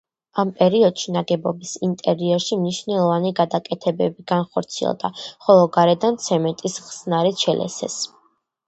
ამ პერიოდში ნაგებობის ინტერიერში მნიშვნელოვანი გადაკეთებები განხორციელდა, ხოლო გარედან ცემენტის ხსნარით შელესეს.